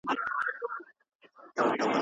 که سوداګري وده وکړي نو اسعار نه بندیږي.